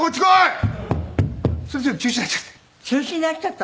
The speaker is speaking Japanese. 撮影中止になっちゃって。